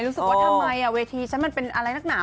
รู้สึกว่าทำไมเวทีฉันมันเป็นอะไรนักหนา